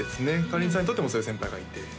かりんさんにとってもそういう先輩がいて？